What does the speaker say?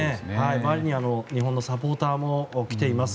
周りには日本のサポーターも来ています。